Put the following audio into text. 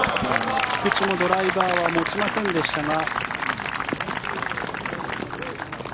菊地もドライバーは持ちませんでしたが。